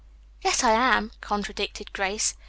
"Yes, I am," contradicted Grace.